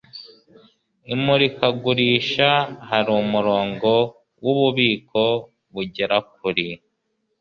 Imurikagurisha hari umurongo wububiko bugera kuri .